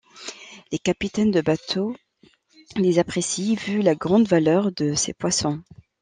Les capitaines de bateau les apprécient, vu la grande valeur de ces poissons.